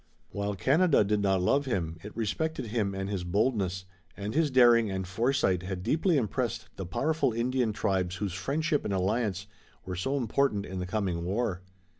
While Canada did not love him, it respected him and his boldness, and his daring and foresight had deeply impressed the powerful Indian tribes whose friendship and alliance were so important in the coming war.